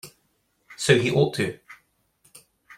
So he ought to.